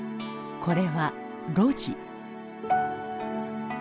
これは「露地」。